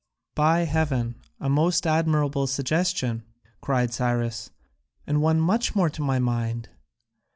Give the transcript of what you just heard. "By heaven, a most admirable suggestion!" cried Cyrus, "and one much more to my mind!